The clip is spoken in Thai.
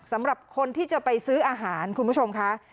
สำหรับคนที่จะไปซื้ออาหารคุณผู้ชมค่ะ